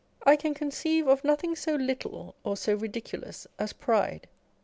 I can conceive of nothing so little or so ridiculous as pride.